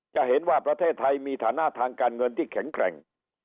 จะเห็นว่าประเทศไทยมีฐานะทางการเงินที่แข็งแกร่ง